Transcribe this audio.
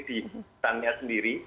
di negaranya sendiri